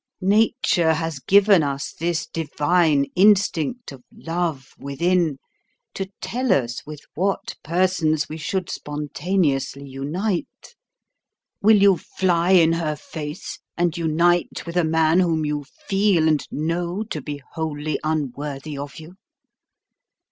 Nature has given us this divine instinct of love within, to tell us with what persons we should spontaneously unite: will you fly in her face and unite with a man whom you feel and know to be wholly unworthy of you?